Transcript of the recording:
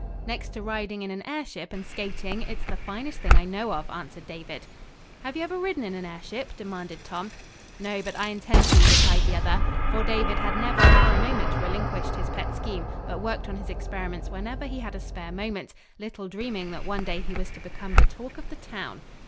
"Next to riding in an airship and skating, it's the finest thing I know of," answered David. "Have you ever ridden in an airship?" demanded Tom. "No, but I intend to," replied the other; for David had never for a moment relinquished his pet scheme, but worked on his experiments whenever he had a spare moment; little dreaming that one day he was to become the talk of the town.